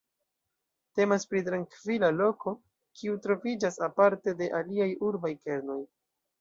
Temas pri trankvila loko, kiu troviĝas aparte de aliaj urbaj kernoj.